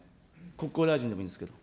国交大臣でもいいんですけど。